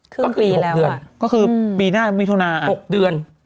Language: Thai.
ครึ่งปีแล้วอ่ะก็คือ๖เดือนก็คือปีหน้ามีทุนาอ่ะ๖เดือน